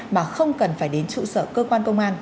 mà không cần phải đến trụ sở cơ quan công an